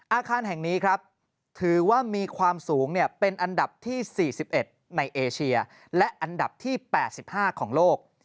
อาคารแห่งนี้ครับถือว่ามีความสูงเป็นอันดับที่๔๑ในเอเชียและอันดับที่๘๕ของโลก